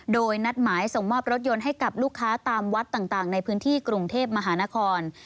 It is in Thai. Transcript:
โดยนัดหมายส่งมอบรถยนต์ให้กับลูกค้าตามวัดต่างในพื้นที่กรุงเทพมหานคร